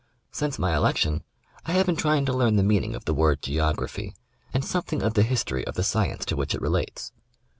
Since my election I have been trying to learn the meaning of the word " geography," and something of the history of the science to which it relates.